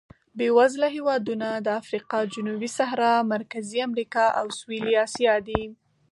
بېوزله هېوادونه د افریقا جنوبي صحرا، مرکزي امریکا او سوېلي اسیا دي.